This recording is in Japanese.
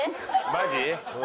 「マジ？」。